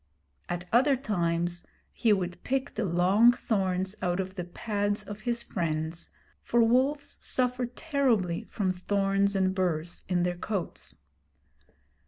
At other times he would pick the long thorns out of the pads of his friends, for wolves suffer terribly from thorns and burs in their coats.